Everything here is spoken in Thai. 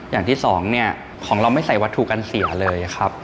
อย่างที่สองเนี่ยของเราไม่ใส่วัตถุกันเสียเลยครับ